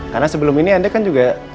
karena sebelum ini anda kan juga